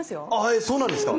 えそうなんですか。